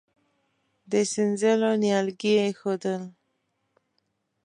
د سينځلو نيالګي يې اېښودل.